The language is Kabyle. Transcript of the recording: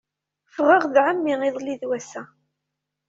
Ffɣeɣ d ɛemmi iḍelli d wass-a.